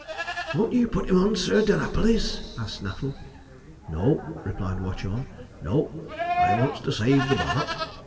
'Won't you put him on Sir danapalis?' asked Snaffle. 'No,' replied Watchorn, 'no; I wants to save the Bart.